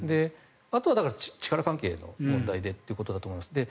あとは力関係の問題でということだと思います。